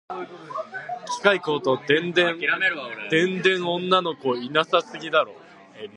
機械工と電電女の子いなさすぎだろ